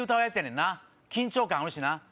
んな緊張感あるしな。